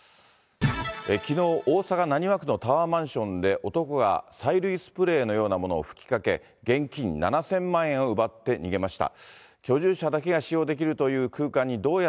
きのう、大阪・浪速区のタワーマンションで男が催涙スプレーのようなものを吹きかけ、現金７０００万円を奪って逃げました。